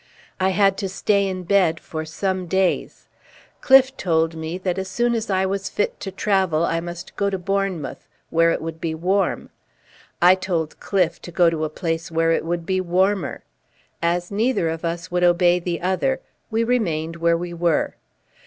I had to stay in bed for some days. Cliffe told me that as soon as I was fit to travel I must go to Bournemouth, where it would be warm. I told Cliffe to go to a place where it would be warmer. As neither of us would obey the other, we remained where we were.